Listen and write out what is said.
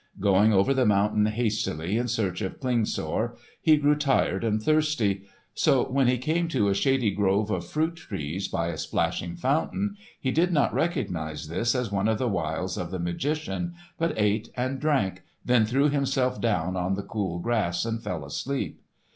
Going over the mountain hastily in search of Klingsor, he grew tired and thirsty; so when he came to a shady grove of fruit trees by a splashing fountain, he did not recognise this as one of the wiles of the magician, but ate and drank, then threw himself down on the cool grass and fell asleep.